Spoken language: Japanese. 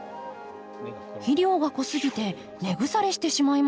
肥料が濃すぎて根腐れしてしまいました。